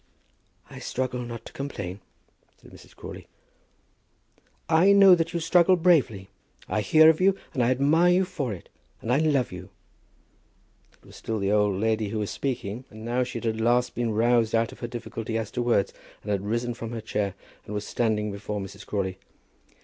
"I struggle not to complain," said Mrs. Crawley. "I know that you struggle bravely. I hear of you, and I admire you for it, and I love you." It was still the old lady who was speaking, and now she had at last been roused out of her difficulty as to words, and had risen from her chair, and was standing before Mrs. Crawley.